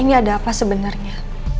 ini ada apa sebenernya